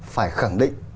phải khẳng định